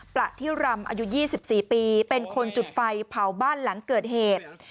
ประทิรำอายุ๒๔ปีเป็นคนจุดไฟเผาบ้านหลังเกิดเหตุ